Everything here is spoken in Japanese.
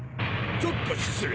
ちょっと失礼。